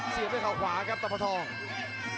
เสียบด้วยเขาขวาครับตะพทอง